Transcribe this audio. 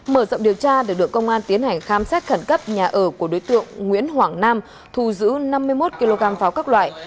mở rộng điều tra được được công an tiến hành khám sát khẩn cấp nhà ở của đối tượng nguyễn hoàng nam thù giữ năm mươi một kg pháo các loại